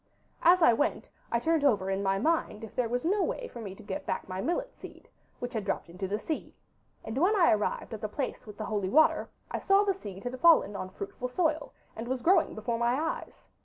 As I went I turned over in my mind if there was no way for me to get back my millet seed, which had dropped into the sea, and when I arrived at the place with the holy water I saw the seed had fallen on fruitful soil, and was growing before my eyes.